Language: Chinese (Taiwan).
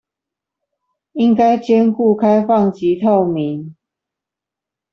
應該兼顧開放及透明